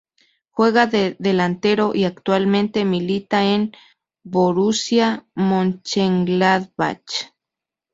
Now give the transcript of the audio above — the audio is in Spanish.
Juega de delantero y actualmente milita en el Borussia Mönchengladbach.